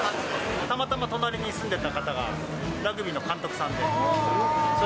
たまたま隣に住んでた方がラグビーの監督さんで。